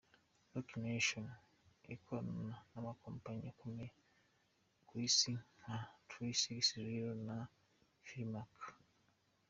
Roc Nation ikorana n’amakompanyi akomeye ku Isi nka Three Six Zero na Philymack.